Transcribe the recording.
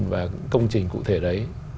và công trình cụ thể đấy